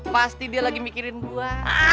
pasti dia lagi mikirin buah